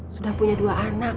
sudah punya dua anak